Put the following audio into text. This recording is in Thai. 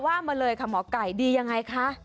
มาเลยค่ะหมอไก่ดียังไงคะ